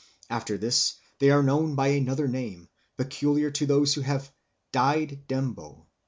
After this they are known by another name, peculiar to those who have 'died Ndembo.'